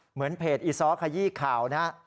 เหมือนเพจอีซ้อขยี้ข่าวนะฮะ